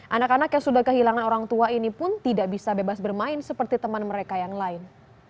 anak anak yang sudah kehilangan orang tua ini pun tidak bisa bebas bermain seperti teman mereka yang lain